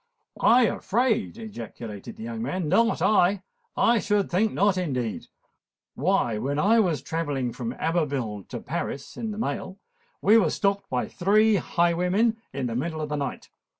"I afraid!" ejaculated the young man; "not I! I should think not, indeed! Why, when I was travelling from Abbeville to Paris in the mail, we were stopped by three highwaymen in the middle of the night.